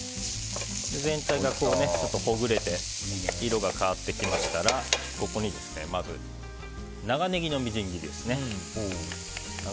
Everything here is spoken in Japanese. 全体がほぐれて色が変わってきましたらここにまず長ネギのみじん切り。